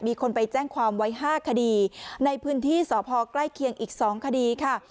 มีคนไปแจ้งความไว้๕คดีในพื้นที่สพใกล้เคียงอีก๒คดีค่ะ